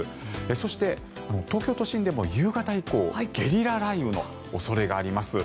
そして、東京都心でも夕方以降ゲリラ雷雨の恐れがあります。